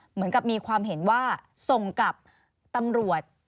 เหมือนกับมีความเห็นว่าส่งกับตำรวจ